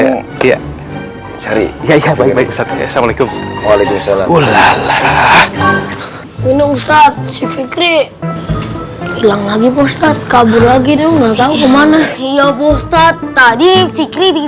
ustaz si fikri hilang lagi postat kabur lagi dong nggak tahu kemana iya postat tadi fikri di